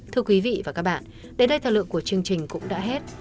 thưa quý vị và các bạn đến đây thời lượng của chương trình cũng đã hết